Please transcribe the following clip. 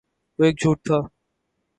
وہ ایک جھوٹ تھا